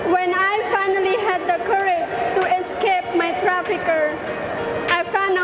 ketika saya akhirnya memiliki keberanian untuk mengegalkan penyakit